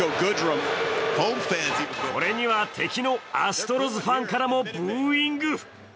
これには敵のアストロズファンからもブーイング。